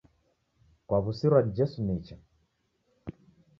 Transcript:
Kwawusirwa ni jesu nicha